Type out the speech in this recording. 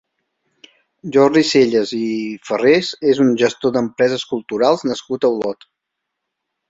Jordi Sellas i Ferrés és un gestor d'empreses culturals nascut a Olot.